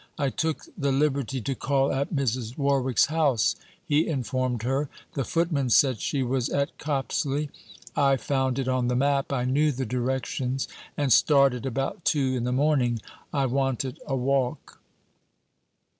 'I took the liberty to call at Mrs. Warwick's house,' he informed her; 'the footman said she was at Copsley. I found it on the map I knew the directions and started about two in the morning. I wanted a walk.'